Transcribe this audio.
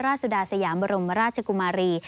สุดาสยามบรมราชกุมารี